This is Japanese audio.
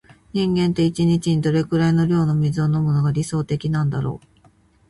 人間って、一日にどれくらいの量の水を飲むのが理想的なんだろう。